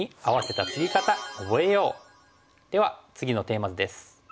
では次のテーマ図です。